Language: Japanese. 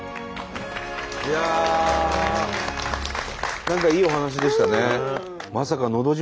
何かいいお話でしたね。